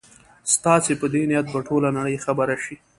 ستاسي په دې نیت به ټوله نړۍ خبره شي.